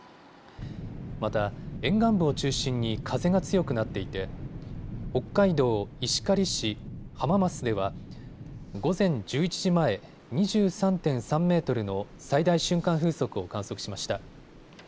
また沿岸部を中心に風が強くなっていて北海道石狩市浜益では午前１１時前、２３．３メートルの最大瞬間風速を観測しました。